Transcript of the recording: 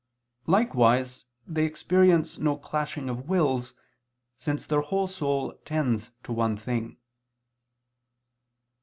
Likewise they experience no clashing of wills, since their whole soul tends to one thing.